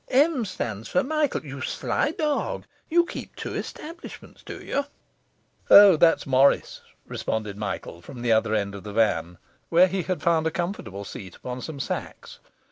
M. stands for Michael, you sly dog; you keep two establishments, do you?' 'O, that's Morris,' responded Michael from the other end of the van, where he had found a comfortable seat upon some sacks.